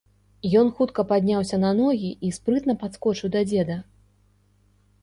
Ён хутка падняўся на ногі і спрытна падскочыў да дзеда.